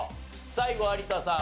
最後有田さん